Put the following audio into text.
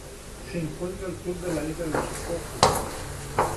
Se encuentra al sur de la isla de Shikoku.